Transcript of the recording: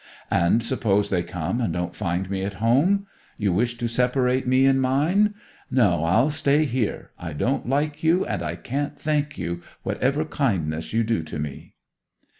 'And suppose they come and don't find me at home? You wish to separate me and mine! No, I'll stay here. I don't like you, and I can't thank you, whatever kindness you do me!